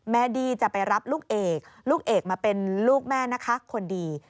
ดี้จะไปรับลูกเอกลูกเอกมาเป็นลูกแม่นะคะคนดี